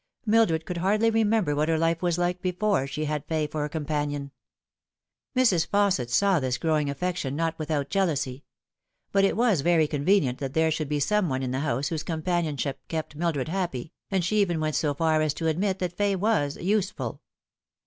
Mildred could hardly remember what her life was like before she had Fay for a companion. Mrs. Fausset saw this growing affection not without jealousy ; but it was very convenient that there should be some one in the house whose companionship kept Mildred happy, and she even went so far as to admit that Fay was " useful."